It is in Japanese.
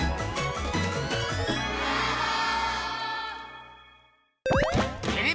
ハロー！